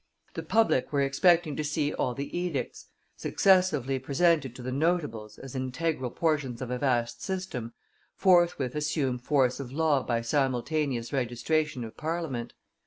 The public were expecting to see all the edicts, successively presented to the notables as integral portions of a vast system, forthwith assume force of law by simultaneous registration of Parliament.